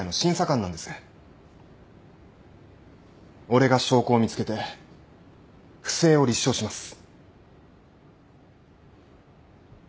俺が証拠を見つけて不正を立証します。